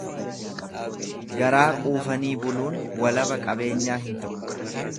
Garaa quufanii buluun walaba qabeenya hin ta'u.